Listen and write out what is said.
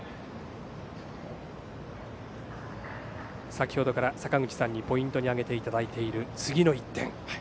先ほどから坂口さんにポイントに挙げていただいてる次の１点。